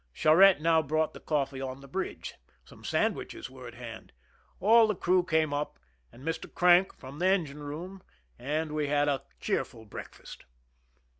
Charette now brought the coffee on the bridge ; some sandwiches were at hand ; all the crew came up, and also Mr. Crank from the engine room, and we had a cheerful breakfast.